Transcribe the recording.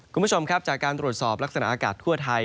คุณผู้ชมครับจากการตรวจสอบลักษณะอากาศทั่วไทย